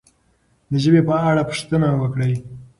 د ژبې په اړه پوښتنې وکړئ.